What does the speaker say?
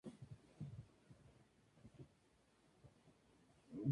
Ellos pueden ser vinculados a la familia, al ámbito social, laboral, entre otros.